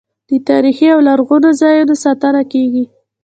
د تاریخي او لرغونو ځایونو ساتنه کیږي.